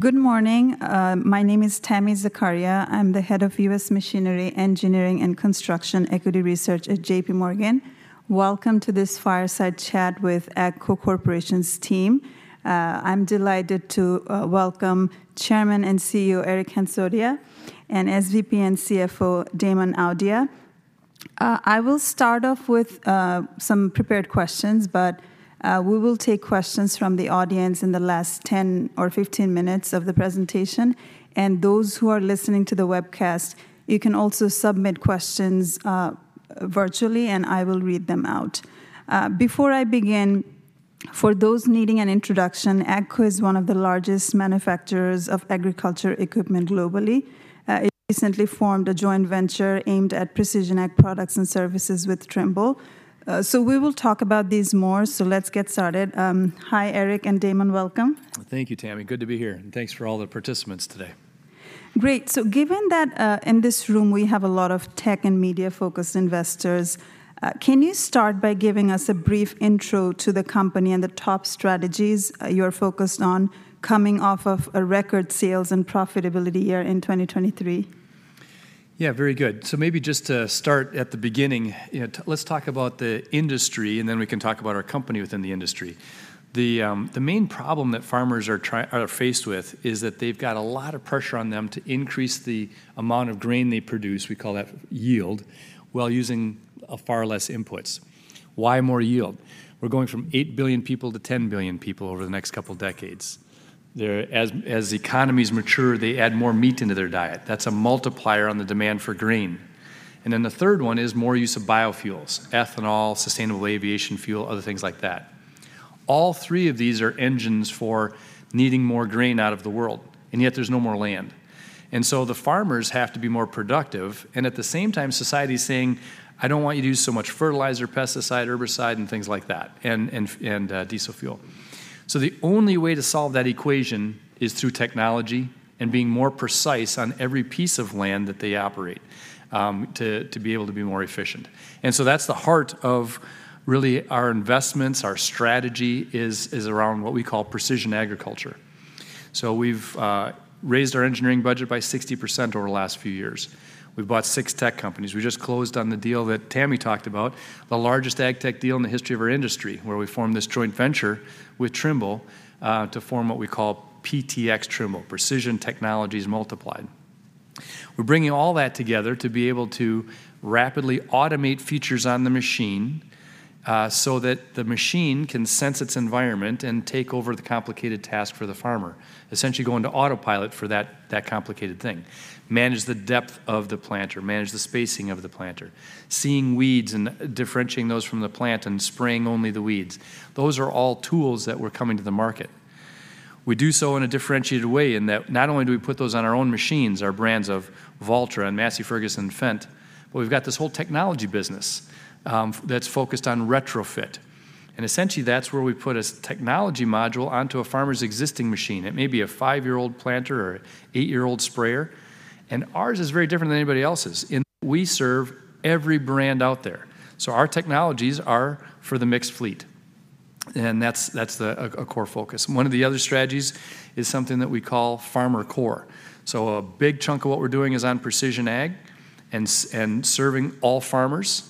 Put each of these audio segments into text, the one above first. Good morning. My name is Tami Zakaria. I'm the head of U.S. Machinery, Engineering, and Construction Equity Research at JPMorgan. Welcome to this fireside chat with AGCO Corporation's team. I'm delighted to welcome Chairman and CEO, Eric Hansotia, and SVP and CFO, Damon Audia. I will start off with some prepared questions, but we will take questions from the audience in the last 10 or 15 minutes of the presentation, and those who are listening to the webcast, you can also submit questions virtually, and I will read them out. Before I begin, for those needing an introduction, AGCO is one of the largest manufacturers of agriculture equipment globally. It recently formed a joint venture aimed at precision ag products and services with Trimble. So we will talk about these more, so let's get started. Hi, Eric and Damon. Welcome. Thank you, Tami. Good to be here, and thanks for all the participants today. Great. So given that, in this room we have a lot of tech and media-focused investors, can you start by giving us a brief intro to the company and the top strategies you're focused on coming off of a record sales and profitability year in 2023? Yeah, very good. So maybe just to start at the beginning, you know, let's talk about the industry, and then we can talk about our company within the industry. The main problem that farmers are faced with is that they've got a lot of pressure on them to increase the amount of grain they produce, we call that yield, while using far less inputs. Why more yield? We're going from 8 billion people to 10 billion people over the next couple decades. As economies mature, they add more meat into their diet. That's a multiplier on the demand for grain. And then the third one is more use of biofuels: ethanol, sustainable aviation fuel, other things like that. All three of these are engines for needing more grain out of the world, and yet there's no more land. And so the farmers have to be more productive, and at the same time, society's saying: "I don't want you to use so much fertilizer, pesticide, herbicide, and things like that, and diesel fuel." So the only way to solve that equation is through technology and being more precise on every piece of land that they operate, to be able to be more efficient. And so that's the heart of really our investments. Our strategy is around what we call precision agriculture. So we've raised our engineering budget by 60% over the last few years. We've bought six tech companies. We just closed on the deal that Tami talked about, the largest agtech deal in the history of our industry, where we formed this joint venture with Trimble, to form what we call PTx Trimble, Precision Technologies Multiplied. We're bringing all that together to be able to rapidly automate features on the machine, so that the machine can sense its environment and take over the complicated task for the farmer, essentially go into autopilot for that, that complicated thing. Manage the depth of the planter, manage the spacing of the planter, seeing weeds and differentiating those from the plant and spraying only the weeds. Those are all tools that we're coming to the market. We do so in a differentiated way in that not only do we put those on our own machines, our brands of Valtra and Massey Ferguson and Fendt, but we've got this whole technology business, that's focused on retrofit. And essentially, that's where we put a technology module onto a farmer's existing machine. It may be a 5-year-old planter or an 8-year-old sprayer, and ours is very different than anybody else's in we serve every brand out there. So our technologies are for the mixed fleet, and that's a core focus. One of the other strategies is something that we call FarmerCore. So a big chunk of what we're doing is on precision ag and serving all farmers.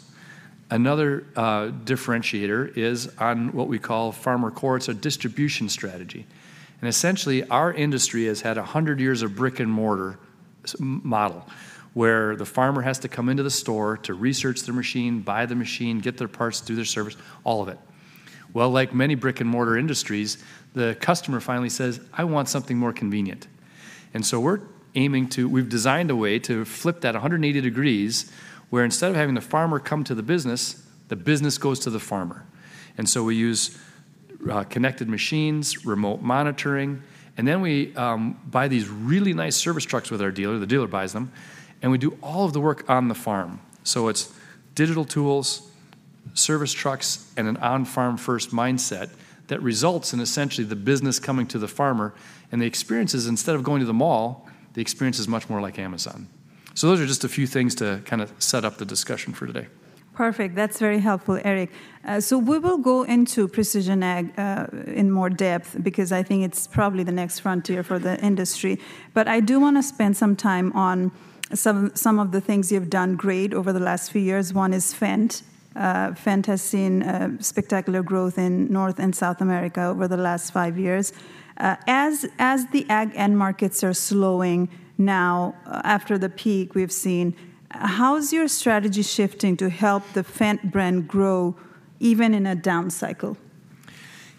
Another differentiator is on what we call FarmerCore. It's a distribution strategy, and essentially, our industry has had 100 years of brick-and-mortar model, where the farmer has to come into the store to research the machine, buy the machine, get their parts, do their service, all of it. Well, like many brick-and-mortar industries, the customer finally says, "I want something more convenient." And so we've designed a way to flip that 180 degrees, where instead of having the farmer come to the business, the business goes to the farmer. And so we use connected machines, remote monitoring, and then we buy these really nice service trucks with our dealer, the dealer buys them, and we do all of the work on the farm. So it's digital tools, service trucks, and an on-farm first mindset that results in essentially the business coming to the farmer, and the experience is, instead of going to the mall, the experience is much more like Amazon. So those are just a few things to kind of set up the discussion for today. Perfect. That's very helpful, Eric. So we will go into precision ag, in more depth because I think it's probably the next frontier for the industry. But I do wanna spend some time on some, some of the things you've done great over the last few years. One is Fendt. Fendt has seen, spectacular growth in North and South America over the last five years. As, as the ag end markets are slowing now, after the peak we've seen, how is your strategy shifting to help the Fendt brand grow even in a down cycle?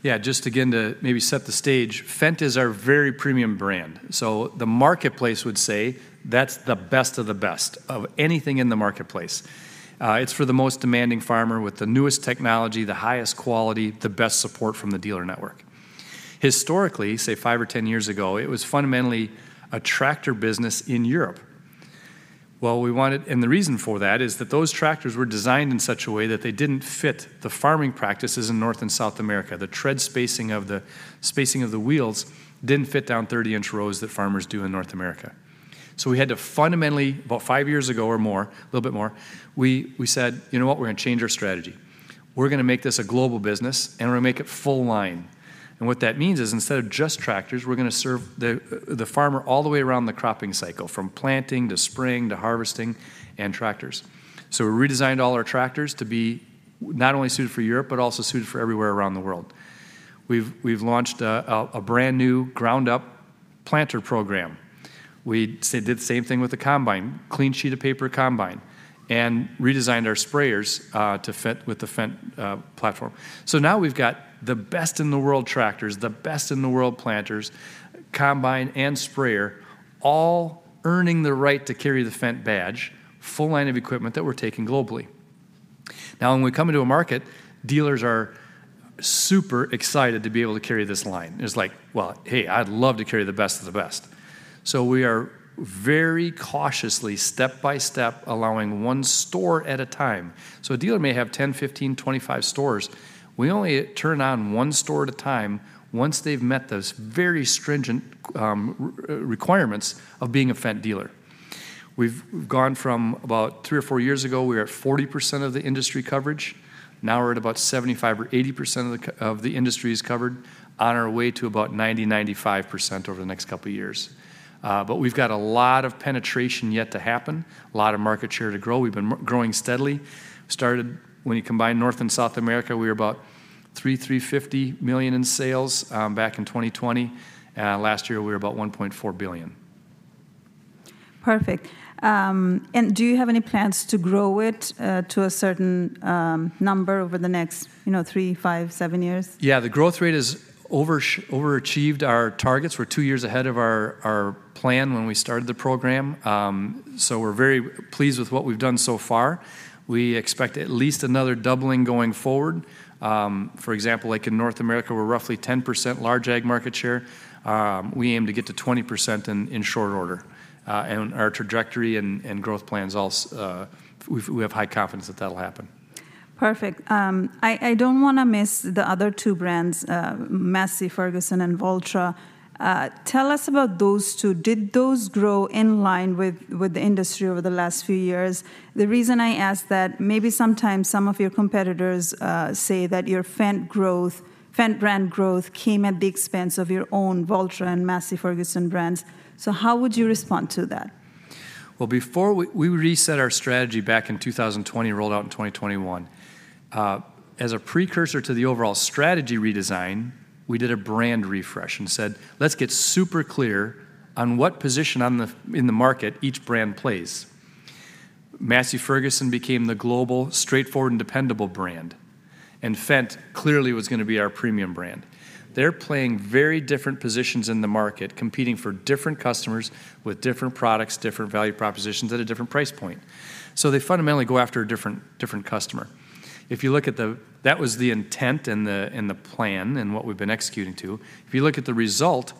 Yeah, just again, to maybe set the stage, Fendt is our very premium brand, so the marketplace would say that's the best of the best of anything in the marketplace. It's for the most demanding farmer with the newest technology, the highest quality, the best support from the dealer network. Historically, say five or 10 years ago, it was fundamentally a tractor business in Europe. Well, we wanted, and the reason for that is that those tractors were designed in such a way that they didn't fit the farming practices in North and South America. The tread spacing of the, spacing of the wheels didn't fit down 30-inch rows that farmers do in North America, so we had to fundamentally, about five years ago or more, a little bit more, we, we said, "you know what? We're gonna change our strategy. We're gonna make this a global business, and we're gonna make it full line." And what that means is, instead of just tractors, we're gonna serve the farmer all the way around the cropping cycle, from planting, to spraying, to harvesting, and tractors. So we redesigned all our tractors to be not only suited for Europe, but also suited for everywhere around the world. We've launched a brand-new, ground-up planter program. We did the same thing with the combine, clean sheet of paper combine, and redesigned our sprayers to fit with the Fendt platform. So now we've got the best-in-the-world tractors, the best-in-the-world planters, combine, and sprayer, all earning the right to carry the Fendt badge, full line of equipment that we're taking globally. Now, when we come into a market, dealers are super excited to be able to carry this line. It's like, "well, hey, I'd love to carry the best of the best." So we are very cautiously, step by step, allowing one store at a time. So a dealer may have 10, 15, 25 stores. We only turn on one store at a time once they've met those very stringent requirements of being a Fendt dealer. We've gone from about three or four years ago, we were at 40% of the industry coverage. Now we're at about 75% or 80% of the industry is covered, on our way to about 90%, 95% over the next couple of years. But we've got a lot of penetration yet to happen, a lot of market share to grow. We've been growing steadily. When you combine North and South America, we were about $350 million in sales back in 2020. Last year, we were about $1.4 billion. Perfect. Do you have any plans to grow it to a certain number over the next, you know, three, five, seven years? Yeah, the growth rate is overachieved our targets. We're two years ahead of our plan when we started the program. So we're very pleased with what we've done so far. We expect at least another doubling going forward. For example, like in North America, we're roughly 10% large ag market share. We aim to get to 20% in short order. And our trajectory and growth plans, we have high confidence that that'll happen. Perfect. I don't wanna miss the other two brands, Massey Ferguson and Valtra. Tell us about those two. Did those grow in line with the industry over the last few years? The reason I ask that, maybe sometimes some of your competitors say that your Fendt growth, Fendt brand growth came at the expense of your own Valtra and Massey Ferguson brands. So how would you respond to that? Well, we reset our strategy back in 2020, rolled out in 2021. As a precursor to the overall strategy redesign, we did a brand refresh and said, "let's get super clear on what position in the market each brand plays." Massey Ferguson became the global, straightforward, and dependable brand, and Fendt clearly was gonna be our premium brand. They're playing very different positions in the market, competing for different customers with different products, different value propositions at a different price point. So they fundamentally go after a different, different customer. If you look at that was the intent and the plan and what we've been executing to. If you look at the result,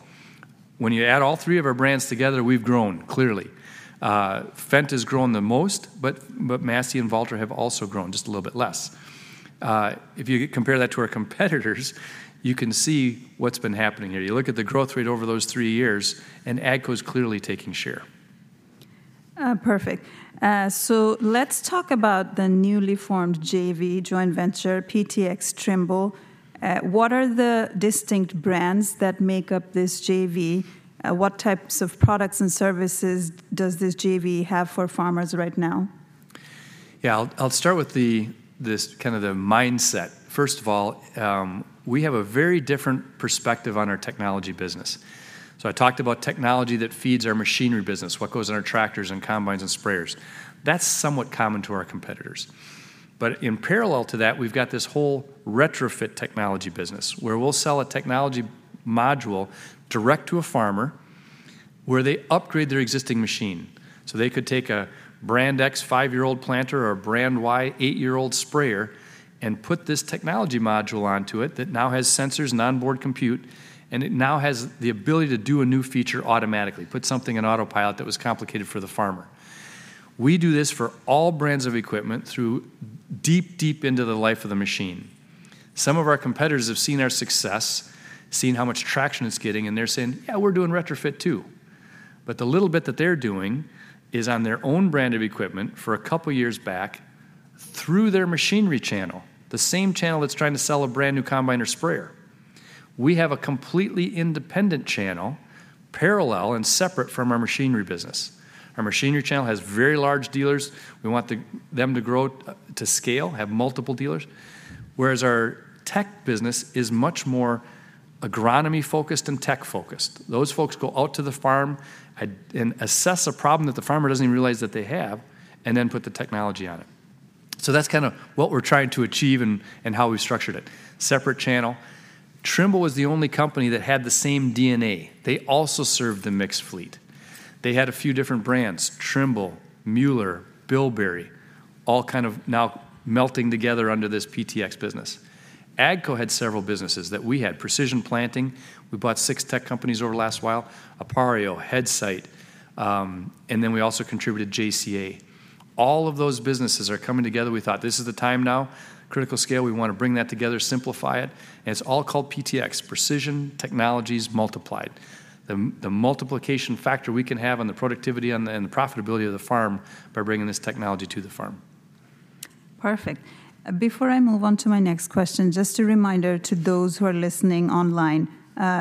when you add all three of our brands together, we've grown, clearly. Fendt has grown the most, but, but Massey and Valtra have also grown, just a little bit less. If you compare that to our competitors, you can see what's been happening here. You look at the growth rate over those three years, and AGCO's clearly taking share. Perfect. So let's talk about the newly formed JV, joint venture, PTx Trimble. What are the distinct brands that make up this JV? What types of products and services does this JV have for farmers right now? Yeah, I'll start with this, kind of the mindset. First of all, we have a very different perspective on our technology business. So I talked about technology that feeds our machinery business, what goes in our tractors, and combines, and sprayers. That's somewhat common to our competitors. But in parallel to that, we've got this whole retrofit technology business, where we'll sell a technology module direct to a farmer, where they upgrade their existing machine. So they could take a Brand X 5-year-old planter or a brand Y 8-year-old sprayer and put this technology module onto it that now has sensors and onboard compute, and it now has the ability to do a new feature automatically, put something in autopilot that was complicated for the farmer. We do this for all brands of equipment through deep, deep into the life of the machine. Some of our competitors have seen our success, seen how much traction it's getting, and they're saying, "yeah, we're doing retrofit, too." But the little bit that they're doing is on their own brand of equipment for a couple of years back through their machinery channel, the same channel that's trying to sell a brand-new combine or sprayer. We have a completely independent channel, parallel and separate from our machinery business. Our machinery channel has very large dealers. We want them to grow to scale, have multiple dealers, whereas our tech business is much more agronomy-focused and tech-focused. Those folks go out to the farm and assess a problem that the farmer doesn't even realize that they have and then put the technology on it. So that's kinda what we're trying to achieve and how we've structured it. Separate channel. Trimble was the only company that had the same DNA. They also served the mixed fleet. They had a few different brands: Trimble, Müller, Bilberry, all kind of now melting together under this PTx business. AGCO had several businesses that we had: Precision Planting. We bought six tech companies over the last while, Appareo, Headsight, and then we also contributed JCA. All of those businesses are coming together. We thought, this is the time now, critical scale, we want to bring that together, simplify it, and it's all called PTx, Precision Technologies Multiplied. The multiplication factor we can have on the productivity and the profitability of the farm by bringing this technology to the farm. Perfect. Before I move on to my next question, just a reminder to those who are listening online,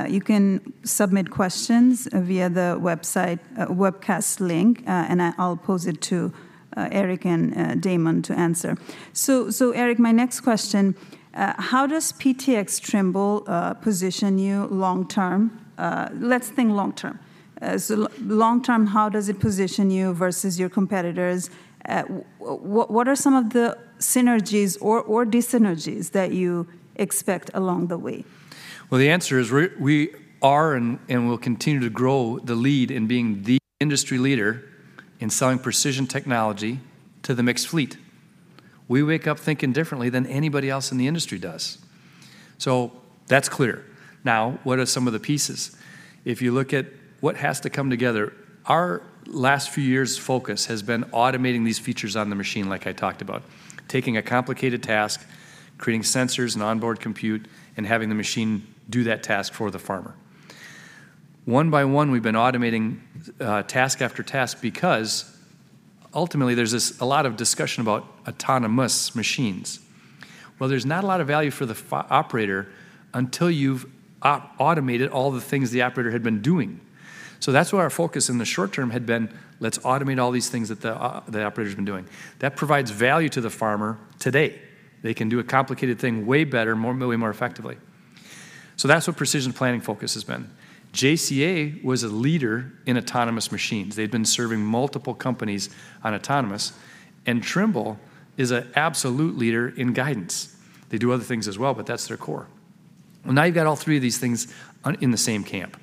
you can submit questions via the website, webcast link, and I'll pose it to Eric and Damon to answer. So, Eric, my next question: how does PTx Trimble position you long term? Let's think long term. So long term, how does it position you versus your competitors? What are some of the synergies or dyssynergies that you expect along the way? Well, the answer is we are and will continue to grow the lead in being the industry leader in selling precision technology to the mixed fleet. We wake up thinking differently than anybody else in the industry does. So that's clear. Now, what are some of the pieces? If you look at what has to come together, our last few years' focus has been automating these features on the machine, like I talked about. Taking a complicated task, creating sensors and onboard compute, and having the machine do that task for the farmer. One by one, we've been automating task after task because ultimately, there's a lot of discussion about autonomous machines. Well, there's not a lot of value for the operator until you've automated all the things the operator had been doing. So that's why our focus in the short term had been, let's automate all these things that the operator's been doing. That provides value to the farmer today. They can do a complicated thing way better, more, really more effectively. So that's what Precision Planting focus has been. JCA was a leader in autonomous machines. They've been serving multiple companies on autonomous, and Trimble is an absolute leader in guidance. They do other things as well, but that's their core. Well, now you've got all three of these things on, in the same camp.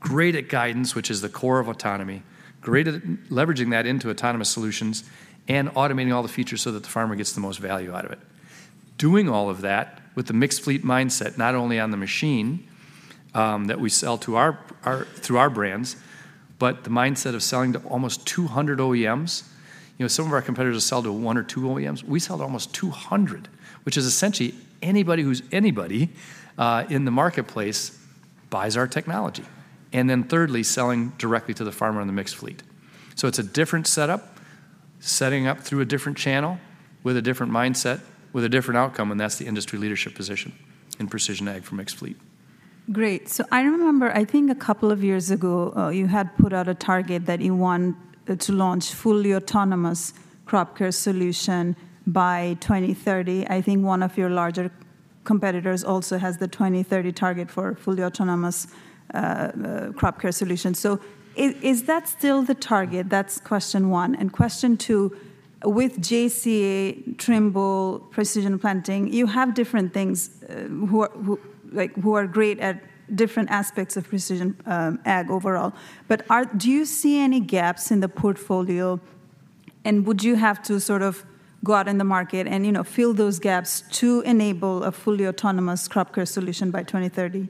Great at guidance, which is the core of autonomy, great at leveraging that into autonomous solutions, and automating all the features so that the farmer gets the most value out of it. Doing all of that with the mixed fleet mindset, not only on the machine that we sell to our through our brands, but the mindset of selling to almost 200 OEMs. You know, some of our competitors sell to one or two OEMs. We sell to almost 200, which is essentially anybody who's anybody in the marketplace buys our technology. And then thirdly, selling directly to the farmer in the mixed fleet. So it's a different setup, setting up through a different channel with a different mindset, with a different outcome, and that's the industry leadership position in precision ag for mixed fleet. Great. So I remember, I think a couple of years ago, you had put out a target that you want to launch fully autonomous crop care solution by 2030. I think one of your larger competitors also has the 2030 target for fully autonomous crop care solution. So is that still the target? That's question one. And question two, with JCA, Trimble, Precision Planting, you have different things, like, who are great at different aspects of precision ag overall. But do you see any gaps in the portfolio? And would you have to sort of go out in the market and, you know, fill those gaps to enable a fully autonomous crop care solution by 2030?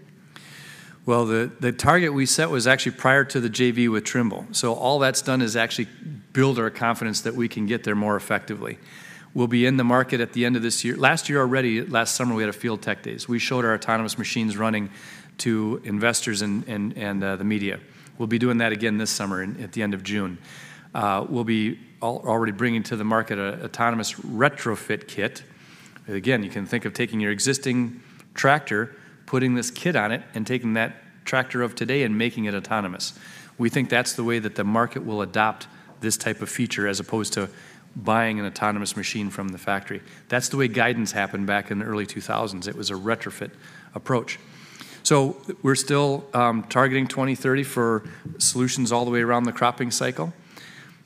Well, the target we set was actually prior to the JV with Trimble. So all that's done is actually build our confidence that we can get there more effectively. We'll be in the market at the end of this year. Last year already, last summer, we had a field tech days. We showed our autonomous machines running to investors and the media. We'll be doing that again this summer, at the end of June. We'll be already bringing to the market an autonomous retrofit kit. Again, you can think of taking your existing tractor, putting this kit on it, and taking that tractor of today and making it autonomous. We think that's the way that the market will adopt this type of feature, as opposed to buying an autonomous machine from the factory. That's the way guidance happened back in the early 2000s. It was a retrofit approach. So we're still targeting 2030 for solutions all the way around the cropping cycle.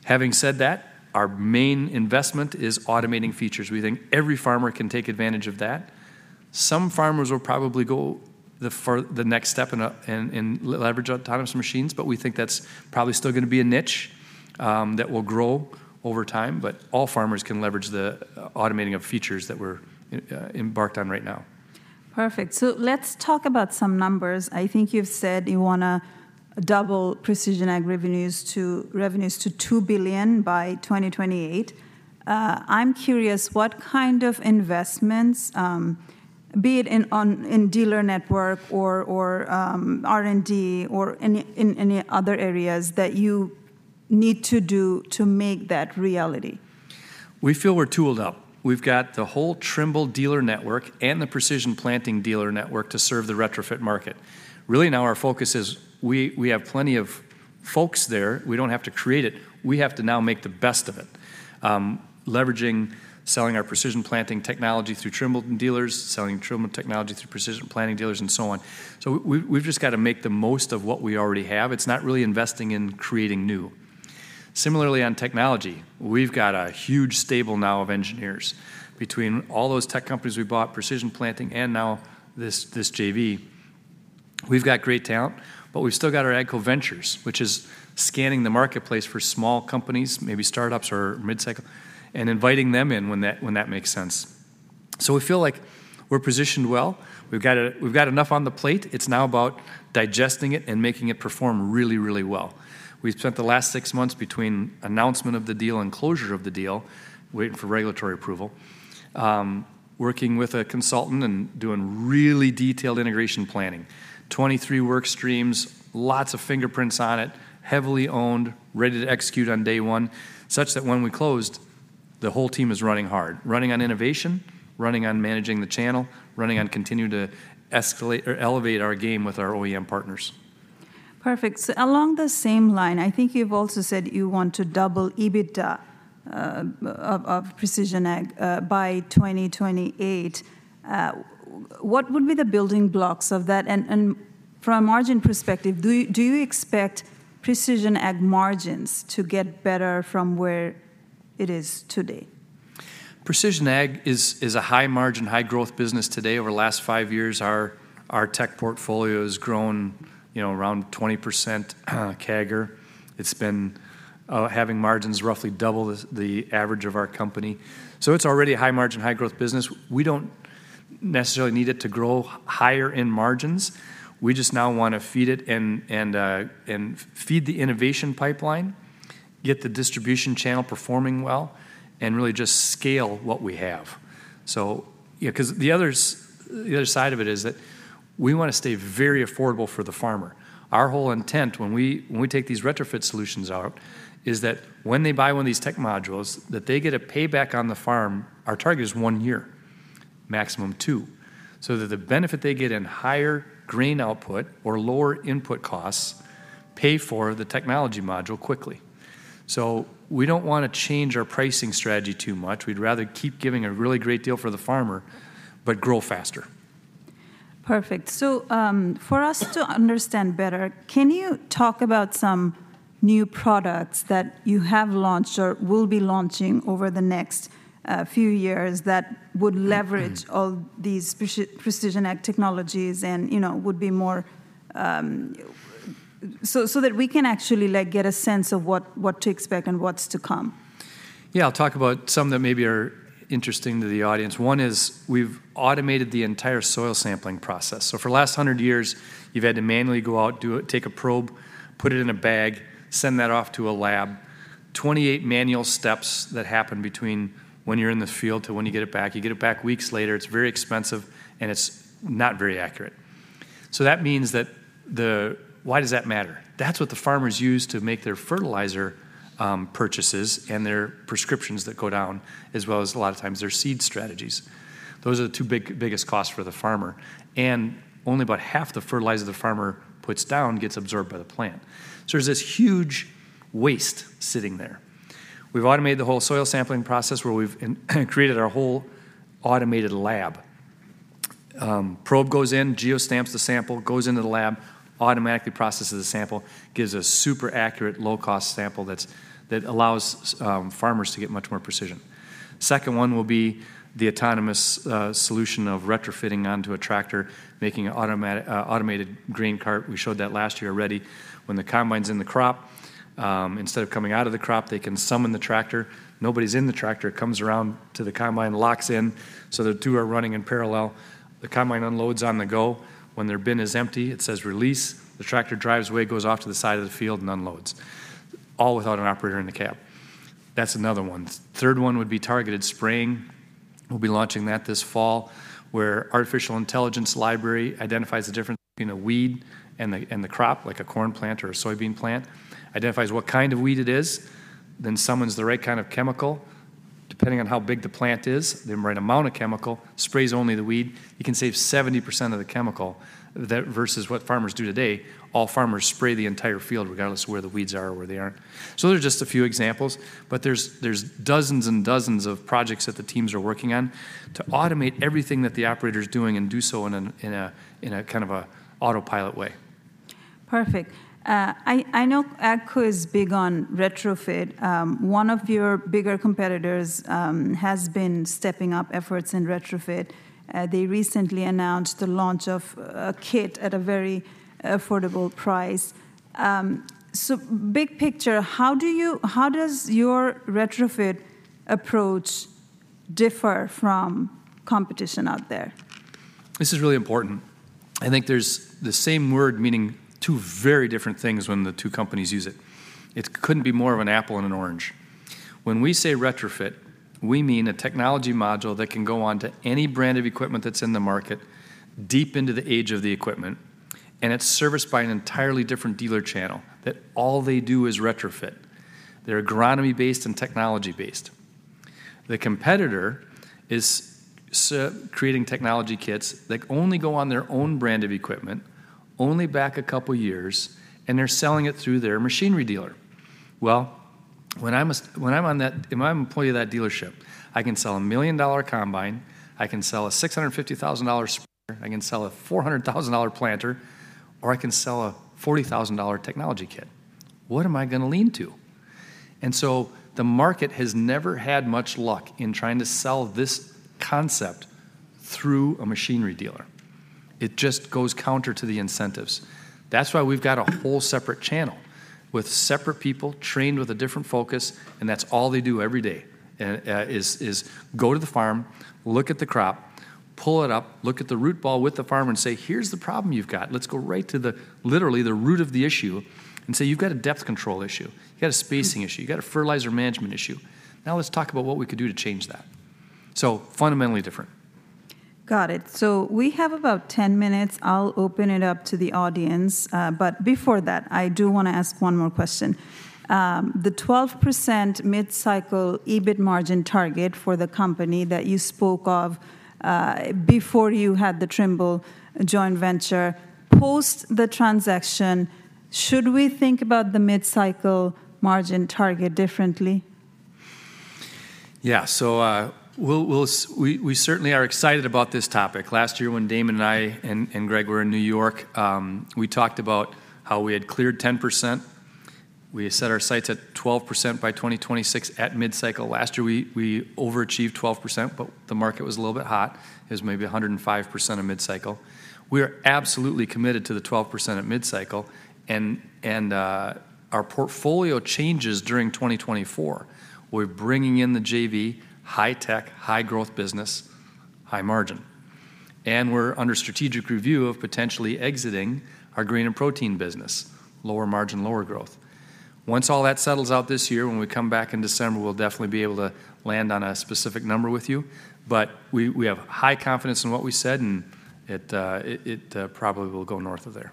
Having said that, our main investment is automating features. We think every farmer can take advantage of that. Some farmers will probably go the next step and leverage autonomous machines, but we think that's probably still going to be a niche that will grow over time. But all farmers can leverage the automating of features that we're embarked on right now. Perfect. So let's talk about some numbers. I think you've said you wanna double precision ag revenues to $2 billion by 2028. I'm curious, what kind of investments, be it in, on, in dealer network or, or, R&D, or any, in any other areas that you need to do to make that reality? We feel we're tooled up. We've got the whole Trimble dealer network and the Precision Planting dealer network to serve the retrofit market. Really, now our focus is we have plenty of folks there. We don't have to create it. We have to now make the best of it. Leveraging, selling our precision planting technology through Trimble dealers, selling Trimble technology through Precision Planting dealers, and so on. So we've just got to make the most of what we already have. It's not really investing in creating new. Similarly, on technology, we've got a huge stable now of engineers. Between all those tech companies we bought, Precision Planting and now this JV, we've got great talent, but we've still got our AGCO Ventures, which is scanning the marketplace for small companies, maybe startups or mid-cycle, and inviting them in when that makes sense. So we feel like we're positioned well. We've got, we've got enough on the plate. It's now about digesting it and making it perform really, really well. We've spent the last six months between announcement of the deal and closure of the deal, waiting for regulatory approval, working with a consultant and doing really detailed integration planning. 23 work streams, lots of fingerprints on it, heavily owned, ready to execute on day one, such that when we closed, the whole team is running hard, running on innovation, running on managing the channel, running on continuing to escalate or elevate our game with our OEM partners. Perfect. So along the same line, I think you've also said you want to double EBITDA of Precision Ag by 2028. What would be the building blocks of that? And from a margin perspective, do you expect Precision Ag margins to get better from where it is today? Precision Ag is a high-margin, high-growth business today. Over the last 5 years, our tech portfolio has grown, you know, around 20%, CAGR. It's been having margins roughly double the average of our company. So it's already a high-margin, high-growth business. We don't necessarily need it to grow higher in margins. We just now wanna feed it and feed the innovation pipeline, get the distribution channel performing well, and really just scale what we have. So, yeah, 'cause the other side of it is that we wanna stay very affordable for the farmer. Our whole intent when we take these retrofit solutions out, is that when they buy one of these tech modules, that they get a payback on the farm. Our target is one year, maximum two, so that the benefit they get in higher grain output or lower input costs pay for the technology module quickly. So we don't wanna change our pricing strategy too much. We'd rather keep giving a really great deal for the farmer, but grow faster. Perfect. So, for us to understand better, can you talk about some new products that you have launched or will be launching over the next few years that would leverage all these Precision Ag technologies and, you know, would be more, so, so that we can actually, like, get a sense of what, what to expect and what's to come? Yeah, I'll talk about some that maybe are interesting to the audience. One is we've automated the entire soil sampling process. So for the last 100 years, you've had to manually go out, do it, take a probe, put it in a bag, send that off to a lab. 28 manual steps that happen between when you're in the field to when you get it back. You get it back weeks later, it's very expensive, and it's not very accurate. So that means that, why does that matter? That's what the farmers use to make their fertilizer purchases and their prescriptions that go down, as well as a lot of times, their seed strategies. Those are the two biggest costs for the farmer, and only about half the fertilizer the farmer puts down gets absorbed by the plant. So there's this huge waste sitting there. We've automated the whole soil sampling process, where we've created our whole automated lab. Probe goes in, geo-stamps the sample, goes into the lab, automatically processes the sample, gives a super accurate, low-cost sample that's that allows farmers to get much more precision. Second one will be the autonomous solution of retrofitting onto a tractor, making an automated grain cart. We showed that last year already. When the combine's in the crop, instead of coming out of the crop, they can summon the tractor. Nobody's in the tractor. It comes around to the combine, locks in, so the two are running in parallel. The combine unloads on the go. When their bin is empty, it says, "Release." The tractor drives away, goes off to the side of the field, and unloads, all without an operator in the cab. That's another one. Third one would be targeted spraying. We'll be launching that this fall, where artificial intelligence library identifies the difference between a weed and the crop, like a corn plant or a soybean plant, identifies what kind of weed it is, then summons the right kind of chemical, depending on how big the plant is, the right amount of chemical, sprays only the weed. You can save 70% of the chemical. That versus what farmers do today, all farmers spray the entire field, regardless of where the weeds are or where they aren't. So those are just a few examples, but there's dozens and dozens of projects that the teams are working on to automate everything that the operator is doing and do so in an, in a, in a kind of a autopilot way. Perfect. I know AGCO is big on retrofit. One of your bigger competitors has been stepping up efforts in retrofit. They recently announced the launch of a kit at a very affordable price. So big picture, how do you, how does your retrofit approach differ from competition out there? This is really important. I think there's the same word meaning two very different things when the two companies use it. It couldn't be more of an apple and an orange. When we say retrofit, we mean a technology module that can go on to any brand of equipment that's in the market, deep into the age of the equipment, and it's serviced by an entirely different dealer channel, that all they do is retrofit. They're agronomy-based and technology-based. The competitor is creating technology kits that only go on their own brand of equipment, only back a couple of years, and they're selling it through their machinery dealer. Well, when I'm a when I'm on that. If I'm an employee of that dealership, I can sell a $1 million combine, I can sell a $650,000 sprayer, I can sell a $400,000 planter, or I can sell a $40,000 technology kit. What am I gonna lean to? And so the market has never had much luck in trying to sell this concept through a machinery dealer. It just goes counter to the incentives. That's why we've got a whole separate channel with separate people trained with a different focus, and that's all they do every day, is go to the farm, look at the crop, pull it up, look at the root ball with the farmer, and say, "here's the problem you've got. Let's go right to the, literally, the root of the issue," and say, "you've got a depth control issue. You've got a spacing issue. You've got a fertilizer management issue. Now let's talk about what we could do to change that." So fundamentally different. Got it. So we have about 10 minutes. I'll open it up to the audience, but before that, I do wanna ask one more question. The 12% mid-cycle EBIT margin target for the company that you spoke of, before you had the Trimble joint venture, post the transaction, should we think about the mid-cycle margin target differently? Yeah, so, we'll certainly are excited about this topic. Last year when Damon and I and Greg were in New York, we talked about how we had cleared 10%. We set our sights at 12% by 2026 at mid-cycle. Last year, we overachieved 12%, but the market was a little bit hot. It was maybe 105% of mid-cycle. We are absolutely committed to the 12% at mid-cycle, and our portfolio changes during 2024. We're bringing in the JV, high tech, high growth business, high margin, and we're under strategic review of potentially exiting our Grain & Protein business, lower margin, lower growth. Once all that settles out this year, when we come back in December, we'll definitely be able to land on a specific number with you. But we have high confidence in what we said, and it probably will go north of there.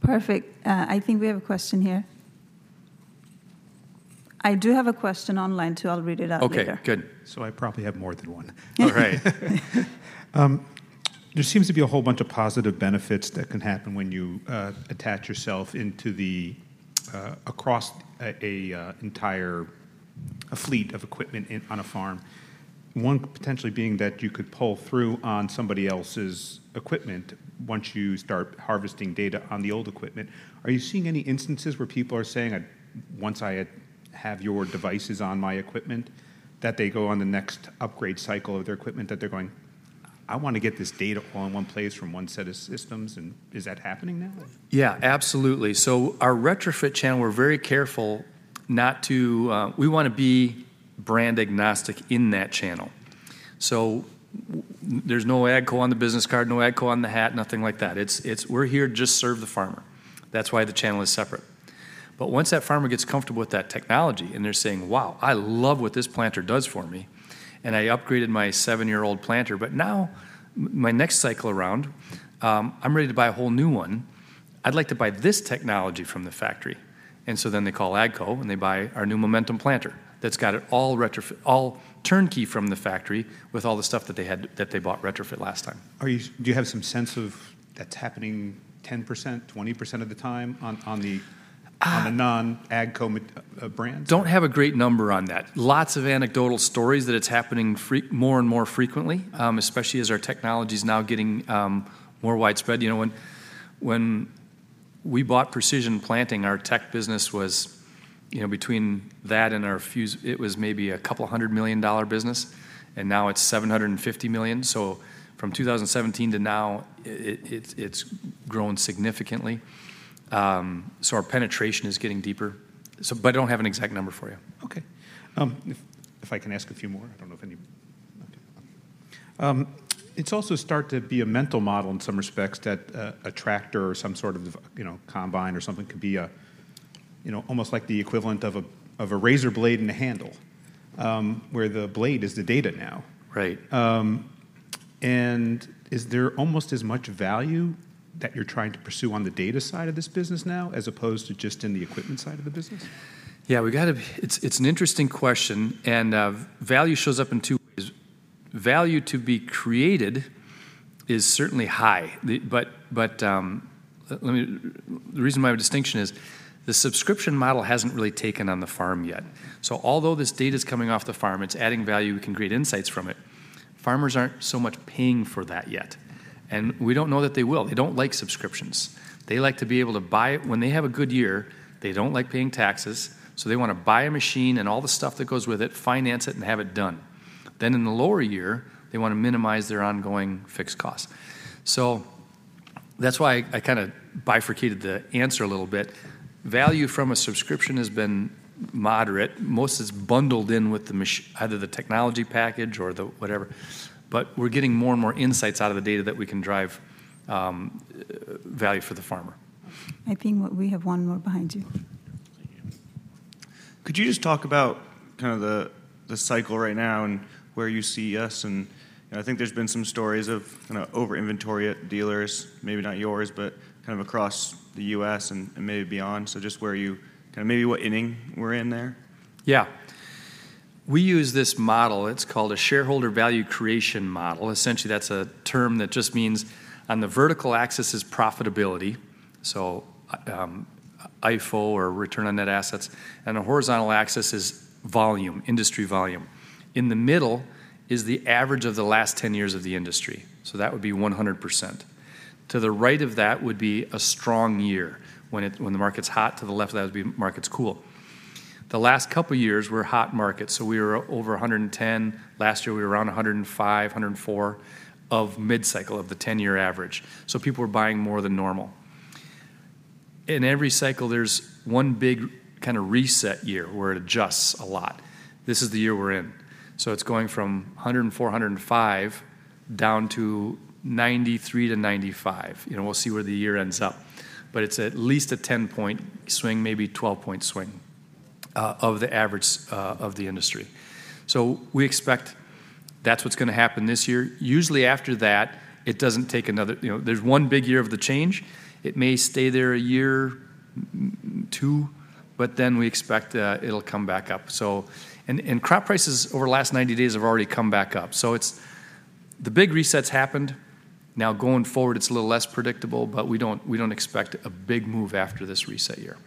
Perfect. I think we have a question here. I do have a question online, too. I'll read it out later. Okay, good. I probably have more than one. All right. There seems to be a whole bunch of positive benefits that can happen when you attach yourself into the across an entire fleet of equipment in on a farm. One potentially being that you could pull through on somebody else's equipment once you start harvesting data on the old equipment. Are you seeing any instances where people are saying, "once I have your devices on my equipment," that they go on the next upgrade cycle of their equipment, that they're going, "I wanna get this data all in one place from one set of systems," and is that happening now? Yeah, absolutely. So our retrofit channel, we're very careful not to. We wanna be brand agnostic in that channel. So there's no AGCO on the business card, no AGCO on the hat, nothing like that. It's, we're here to just serve the farmer. That's why the channel is separate. But once that farmer gets comfortable with that technology, and they're saying, "wow, I love what this planter does for me, and I upgraded my seven-year-old planter, but now my next cycle around, I'm ready to buy a whole new one. I'd like to buy this technology from the factory." And so then they call AGCO, and they buy our new Momentum planter that's got it all turnkey from the factory with all the stuff that they had, that they bought retrofit last time. Do you have some sense of that's happening 10%, 20% of the time on the- Uh- On the non-AGCO brands? Don't have a great number on that. Lots of anecdotal stories that it's happening more and more frequently, especially as our technology is now getting more widespread. You know, when we bought Precision Planting, our tech business was, you know, between that and our Fuse, it was maybe a $200 million business, and now it's $750 million. So from 2017 to now, it's grown significantly. So our penetration is getting deeper. But I don't have an exact number for you. Okay. If I can ask a few more, I don't know if anybody. It's also starting to be a mental model in some respects that a tractor or some sort of, you know, combine or something could be, you know, almost like the equivalent of a razor blade and a handle, where the blade is the data now. Right. Is there almost as much value that you're trying to pursue on the data side of this business now, as opposed to just in the equipment side of the business? Yeah, we've got. It's an interesting question, and value shows up in two ways. Value to be created is certainly high. Let me, the reason why a distinction is the subscription model hasn't really taken on the farm yet. So although this data is coming off the farm, it's adding value, we can create insights from it, farmers aren't so much paying for that yet, and we don't know that they will. They don't like subscriptions. They like to be able to buy it. When they have a good year, they don't like paying taxes, so they wanna buy a machine and all the stuff that goes with it, finance it, and have it done. Then in the lower year, they wanna minimize their ongoing fixed costs. So that's why I kinda bifurcated the answer a little bit. Value from a subscription has been moderate. Most is bundled in with the machine either the technology package or the whatever, but we're getting more and more insights out of the data that we can drive value for the farmer. I think we have one more behind you. Thank you. Could you just talk about kind of the cycle right now and where you see us? And I think there's been some stories of, you know, over inventory at dealers, maybe not yours, but kind of across the U.S. and maybe beyond. So just where you, kind of maybe what inning we're in there? Yeah. We use this model, it's called a Shareholder Value Creation Model. Essentially, that's a term that just means on the vertical axis is profitability, so, IFO or return on net assets, and the horizontal axis is volume, industry volume. In the middle is the average of the last 10 years of the industry, so that would be 100%. To the right of that would be a strong year, when the market's hot. To the left of that would be market's cool. The last couple years were hot markets, so we were over 110. Last year, we were around 105, 104 of mid-cycle of the 10-year average. So people were buying more than normal. In every cycle, there's one big kind of reset year where it adjusts a lot. This is the year we're in, so it's going from 104, 105, down to 93-95. You know, we'll see where the year ends up, but it's at least a 10-point swing, maybe 12-point swing, of the average, of the industry. So we expect that's what's gonna happen this year. Usually after that, it doesn't take another, you know, there's one big year of the change. It may stay there a year, maybe two, but then we expect, it'll come back up, so, and, and crop prices over the last 90 days have already come back up. So it's, the big resets happened. Now, going forward, it's a little less predictable, but we don't, we don't expect a big move after this reset year.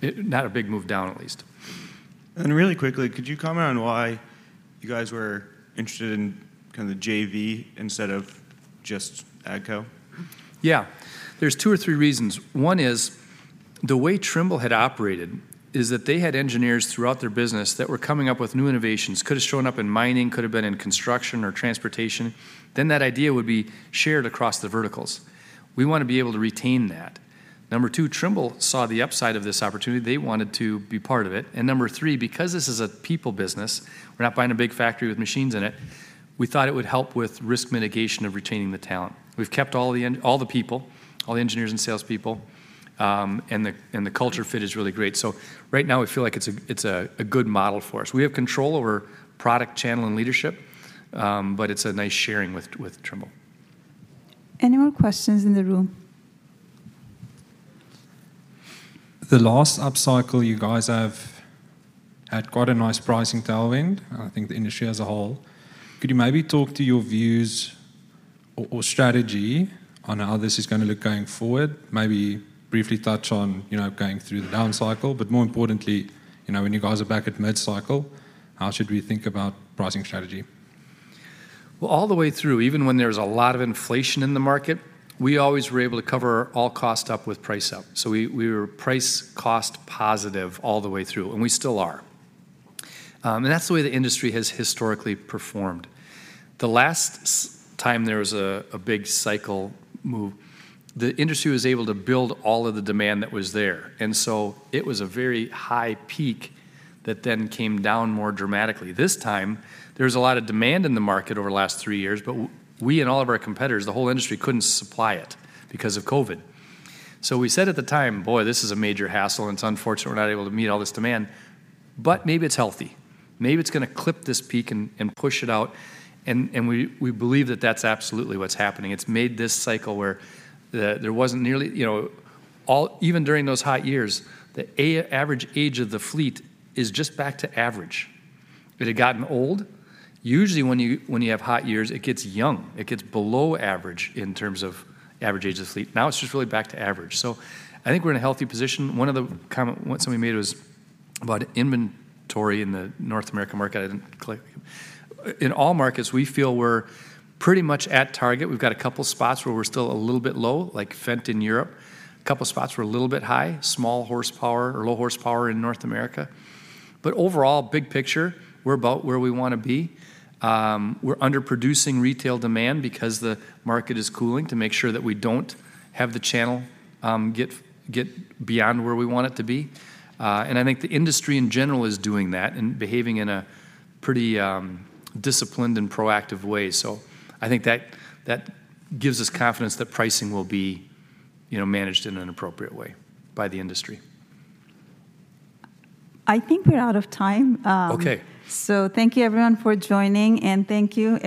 It, not a big move down, at least. Really quickly, could you comment on why you guys were interested in kind of the JV instead of just AGCO? Yeah. There's two or three reasons. One is, the way Trimble had operated is that they had engineers throughout their business that were coming up with new innovations. Could've shown up in mining, could've been in construction or transportation, then that idea would be shared across the verticals. We want to be able to retain that. Number two, Trimble saw the upside of this opportunity. They wanted to be part of it. And number three, because this is a people business, we're not buying a big factory with machines in it, we thought it would help with risk mitigation of retaining the talent. We've kept all the people, all the engineers and salespeople, and the culture fit is really great. So right now, we feel like it's a good model for us. We have control over product, channel, and leadership, but it's a nice sharing with, with Trimble. Any more questions in the room? The last upcycle, you guys have had quite a nice pricing tailwind, I think the industry as a whole. Could you maybe talk to your views or, or strategy on how this is gonna look going forward? Maybe briefly touch on, you know, going through the down cycle, but more importantly, you know, when you guys are back at mid-cycle, how should we think about pricing strategy? Well, all the way through, even when there was a lot of inflation in the market, we always were able to cover all cost up with price up. So we were price-cost positive all the way through, and we still are. And that's the way the industry has historically performed. The last time there was a big cycle move, the industry was able to build all of the demand that was there, and so it was a very high peak that then came down more dramatically. This time, there was a lot of demand in the market over the last three years, but we and all of our competitors, the whole industry, couldn't supply it because of COVID. So we said at the time, "boy, this is a major hassle, and it's unfortunate we're not able to meet all this demand, but maybe it's healthy. Maybe it's gonna clip this peak and push it out, and we believe that that's absolutely what's happening. It's made this cycle where there wasn't nearly, you know, all, even during those hot years, the average age of the fleet is just back to average. It had gotten old. Usually, when you have hot years, it gets young. It gets below average in terms of average age of the fleet. Now, it's just really back to average. So I think we're in a healthy position. One of the kind of comments somebody made was about inventory in the North American market. I didn't click. In all markets, we feel we're pretty much at target. We've got a couple spots where we're still a little bit low, like Fendt in Europe. A couple spots we're a little bit high, small horsepower or low horsepower in North America. But overall, big picture, we're about where we wanna be. We're underproducing retail demand because the market is cooling, to make sure that we don't have the channel, get beyond where we want it to be. And I think the industry in general is doing that and behaving in a pretty, disciplined and proactive way. So I think that, that gives us confidence that pricing will be, you know, managed in an appropriate way by the industry. I think we're out of time. Okay. Thank you, everyone, for joining, and thank you, Eric.